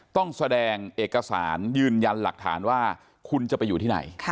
ต้องแสดงเอกสารยืนยันหลักฐานว่าคุณจะไปอยู่ที่ไหน